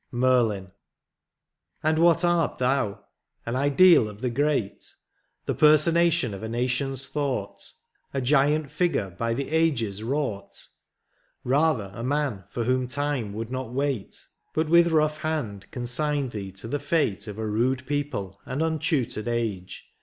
27 XIII. MERLIN. And what axt thou ^— an ideal of the great ; The personation of a nation s thought ; A giant figure hy the ages wrought ? Bather a man for whom time would not wait. But with rough hand consigned thee to the fate Of a rude people and untutored age.